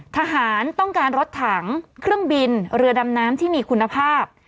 ทหารต้องการรถถังเครื่องบินเรือดำน้ำที่มีคุณภาพ